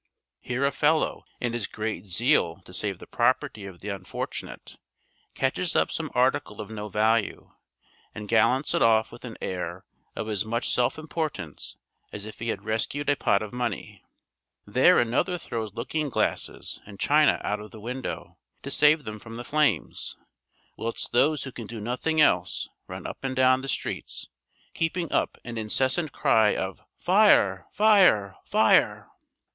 Here a fellow, in his great zeal to save the property of the unfortunate, catches up some article of no value, and gallants it off with an air of as much self importance as if he had rescued a pot of money; there another throws looking glasses and china out of the window, to save them from the flames; whilst those who can do nothing else run up and down the streets, keeping up an incessant cry of "Fire! fire! fire!"